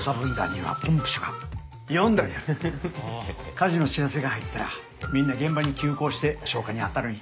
火事の知らせが入ったらみんな現場に急行して消火にあたるんや。